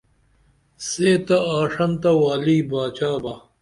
سے تہ آڜنتہ والی باچا با